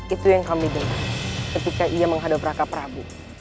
itu yang kami dengar ketika ia menghadap raka prabu